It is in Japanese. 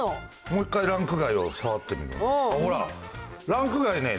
もう一回ランク外を触ってみるね。